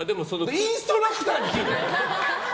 インストラクターに聞け！